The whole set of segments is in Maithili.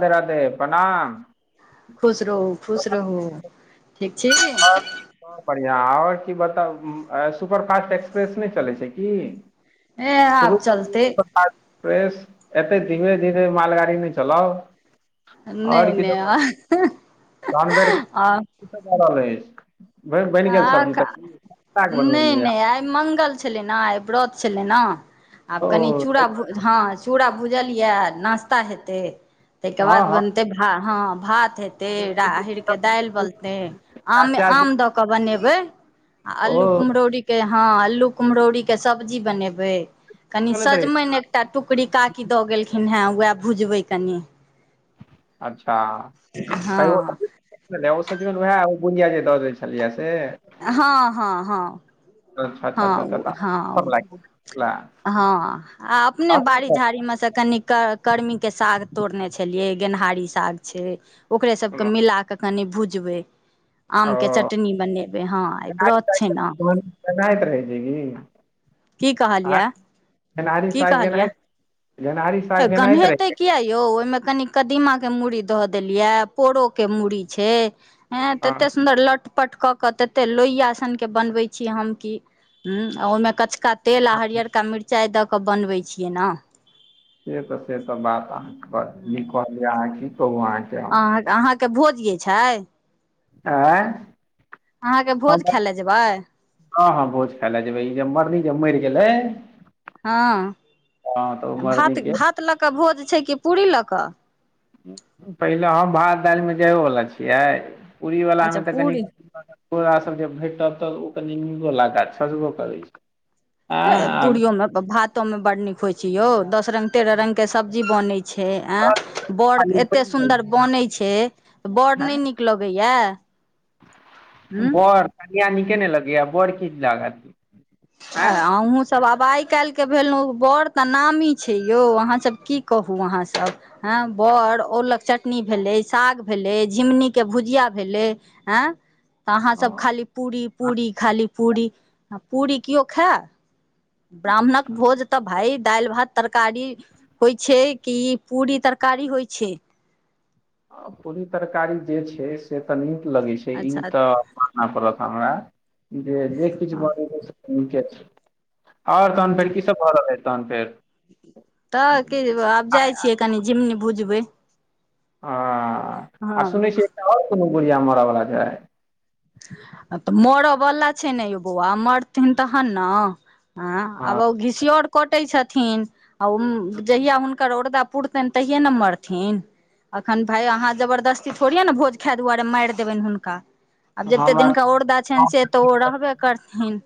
राधे राधे, प्रणाम। खुश रहु खुश रहु, ठीक। छी और, और, ब या और की बताउ, सुपर फास्ट एक्सप्रेस नै चलै छै कि? ए आब शुरू क दियै चलते इ सब काज। बेस, एते धीरे धीरे मालगाड़ी नै चलाउ। और नहि कि सब भ रहल छै, नहि [unintelligible] जानवर कि सब भ रहल अछि? बनि बनि गेल हां, सब्जी का, तब्जी साग नै बनबेलियै नैआइ मंगल छलै ना, आइ व्रत छलै ना, आ कने ओ चुड़ा भुज, हां चुड़ा भुज भुजलियै, आ नाास्ता हेतै, तैके हँ बाद हँ की बनतै भ, हँ भात भात हेतै राहरि के सब देने दालि रही? बनतै, आम प्याज मे त्याज आम देने? द के के बनेबै, आ अल्लू ओ कुम्हरौरी के, हं अल्लू कुम्हरौरी के सब्जी बनेबै बनेबै, कने चलैत रहै सजमनि एकटा टुकड़ी काकी द गेलखिनहे, वैह भुजबै कनिये अच्छा, त हँ ओ, सजमनि वैह, ओ बुढ़िया जे द गेल छलैये से हँ हँ हँ। अच्छा अच्छा अच्छा अच्छा हँ, तऽ सब हँ, लागि गेल। हँ आ अपने बाड़ी झाड़ीमे मे से कनिक के कर्मी के साग तोड़ने छलियै, गेनहारी साग छै ओकरे सबके मिलाके कनि भुजबै, आमके ओ चटनी बनेबै, हँ, आइ व्रत छै ने। हु, हू। की कहलियए? गेनारी शाग गेनैत। गन्हेते किया यौ, ओहिमे कनि कदीमा के मूड़ी दअ देलिये, पोरो के मूड़ी छै, ह त, हँ तते सुन्दर लट चपट कऽ कऽ, तते लोहिया सन के बनबे छी हम कि, ओहिमे कचका तेल आ हरियरकेा मिरचाइ दऽ कऽ, बनबै छियै ने। से तऽ से तऽ बात अहाँके, निके कहलियअ, की कहुँ अहाँ के। त भोजिये छै। आय। अहाँके हम भोज खाय त, लए जेबै ह, ह, भोज खाइले जेबै, ई जे मरली ई जे मैरगेलई। हँ, मरनी भात- के भात लऽ कऽ भोज छै, कि पूरी लऽ कऽ? पहिले हम, भात -दालिमे जाबहोवला छियै। पूरी वालला अच्छा मे तऽ कनि, पूरी पुरा सब जे भेटत तऽ ओ कनि पूरी वला, काज छजबो करै छै। हइ आँय आब पूरीयो में, भातो मे बड नीक होइ छै यौ, दस रंग, तेरह रंग के सब्जी बने छै। ए बड़ खाली एते बनि गेल सुन्दर छै बन छै, बड़ ने नीक लगैया? हूँ बर, कनीया निके ने लगैया, बर की निक लागत? ऐ आँ अँहू सबआब आइ काल्हिके भेलहुँ, बड़ तऽ नामी छै यौ, अहाँ सब की कहू अहाँ सब, हँ? बड़, ओलक चटनी भेलै, साग भेलै, झि्गुनीके भुजिया भेलै, आँय। तऽ अहाँसभ हँ, खाली पूरी -पूरी, खाली पूरी, आ पूरी केओ खाय? ब्राह्मणक भोज तऽ, भाय दालि- भात तरकारी होइ छै‌, कि पूरी तरकारी होइ छै? पूरी तरकारी जे छै, से तनी लगै छै, ई अच्छा तऽ मान पड़त हमरा। जे, जे किछु भ जेतै से निके छै। आर तहन फेर, की सब भऽ रहल है तहन फेर? तऽ की, आब आइ जाय छियै कनि, झिमनी भुजबै। हँ आ हँ सुनै छियै, एकटा आओर कोनो बुढिया मरयवला छै? तऽ मरऽवला छै ने यौ बौआ, मरथिन तहन ने। हँ, आब ओ घिसियोर कटै छथिन, आ जहिया हुनका हूनकर ओड़दा पुरतनि, तहिए ने मरथिन। एखन भाय अहाँ, जबरदस्ती थोड़िे ने भोज खाय दुआरे मारि देबनि हुनका। आब जतेक हमरा दिनका ओरदा छनि, से तऽ ओ रहबे करथिन।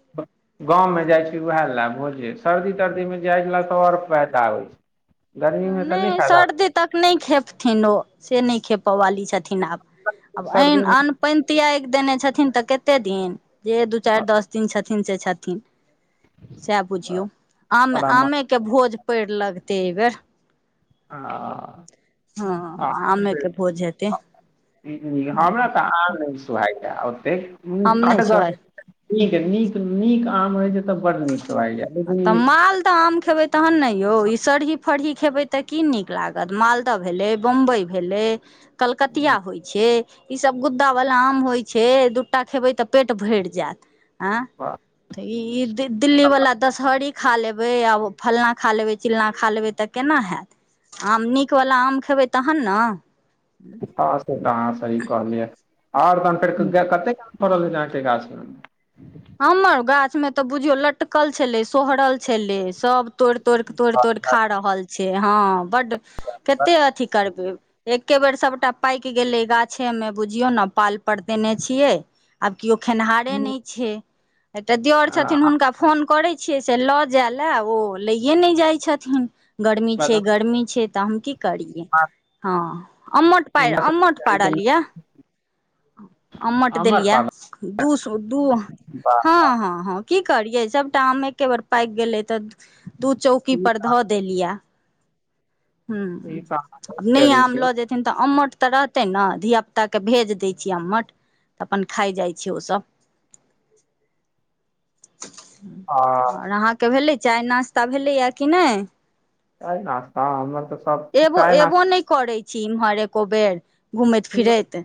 गाँवमे जाइ छी उएह लाए भोजे, सर्दी- तर्दीमे जाय लए तऽ आओर फायदा होइ छै। गर्मीमे तऽ नहि फायदा होइ सर्दी तक नहि खेपथिन ओ, से नहि खेपय वाली छथिन। छथिन आब। आब छै अन सर्दीमे अन्न- पानि तियाग देने छथिन, तऽ कते दिन? जे दू चारि, दस दिन छथिन, से छथिन। सएह बुझियौ, आम, बड़ा आमे के भोज पड़ि लगतै एहिबेर। ह। हँ, आमेके भोज हेतै। हु, हमरा तऽ आम नहि सुहाएयै ओतेक हु आम नहि खटगर छै नै त नीक नीक आम है जे आ त मालदह आम खेबै तखन ने यौ, ई सरही फरही खेबै त कि नीक लागत, मालदह भेलै, बम्बई भेलै उम्म, कलकतिया होइ छै ई सब गुद्दावला आम होइ छै, दु टा खेबै त पेट भरि जायत। आँ, प- त इ इ दिल्ली वला दसह री खा लेबै आ फल्लाँ खा लेबै चिल्लाँ खा लेबै त केना हैत। आम नीकवला आम खेबै तखन ने। हँ से त अहाँ सही कहलियै आर तखन फेर कतेक फरल अहाँके गाछ मे। ओहिमे तऽ् बुझियौ लटकल छलै सोहरल छलै सब तोड़ि तोड़ि, तोड़ि तोड़ि खा रहल छै, हँ बड कते अथी करबै एके बेर सबटा पाकि गेलै गाछे मे, बुझियौ ने पाल पर देेने छियै आब केओ खेनिहारे नै छै। एकटा दिअर छथिन हुनका फोन करै छियै से ल जाय ले, ओ लैये नै जाइ छथिन, गर्मी छै गर्मी छै त हम की करियै, हँ, अम्मट पार अम्मट पारलियै ये। अम्मट आम्र देलियै ये, पालक दू सौ, दू बाह, हँ हँ हँ कि कि करियै, सबटा आम एके बेर पाकि गेलै त दू चौकी ई पर तऽ ध देलियैये। हुं, ई तऽ अहाँ बहुत आ नहि करै आम छी। ल जेथिन त अम्मट त रहतैन ने, धियापुताके भेज दै छियै अम्मट। त अपन खाइ जाइ छै ओ सब। [unintelligible] आ और अहाँके भेलै, चाय नाश्ता भेलैए कि नै? चाय नाश्ता, हमर त एबो, एबो नै करै छी एमहर एको बेर, घूमैत फिरैत।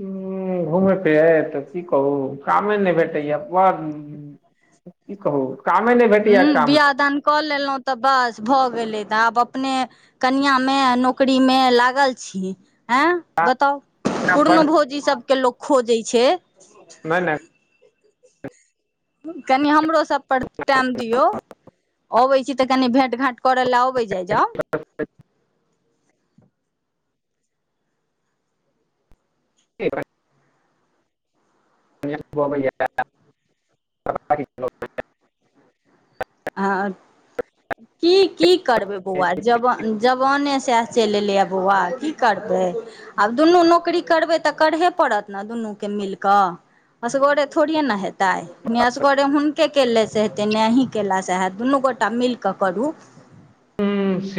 हुं, घूमै फिरैत, की कहू कामे नै भेटैय बड़ की कहू? कामे नहि भेटैया हुं काम बियाह दान क लेलहुँ त बस। भ गेलै त आब अपने कनिआँमे, नौकरीमे लागल छी। एँ बताउ, पूरनो बड भौजी सबके लोक खोजै छै। नै नै। कनि हमरो सब पर टाइम दियौ, अबै छी त कनि भेंट घांट करय लए आउ। अबै जाइ जाउ। ठीके बात। [unintelligible] हँ, की, की करबै बौआ, जबान जबाने सएह चलि एलै हे बौआ की करबै, आब दुनू नौकरी करबै त करहे पड़त ने दुनू के मिल के, असगरे थोड़े ने हेतै। तै, ने असगरे हुनके के ले से हेतै ने अहीं केलासे हैत दुनू गोटा मिलके करू। हम्म,